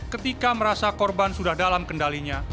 ketika merasa korban sudah dalam kendalinya